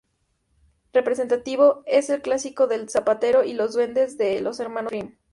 Representativo es el clásico de "El zapatero y los duendes", de los Hermanos Grimm.